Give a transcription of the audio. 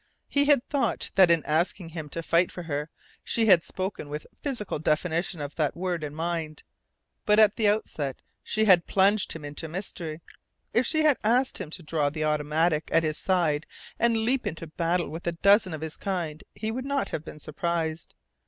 He had thought that in asking him to fight for her she had spoken with the physical definition of that word in mind. But at the outset she had plunged him into mystery. If she had asked him to draw the automatic at his side and leap into battle with a dozen of his kind he would not have been surprised.